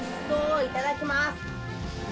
いただきます。